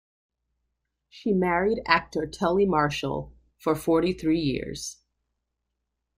She married actor Tully Marshall for forty-three years.